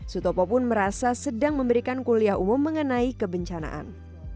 sutopo pun merasa sedang memberikan kuliah umum mengenai kebencanaan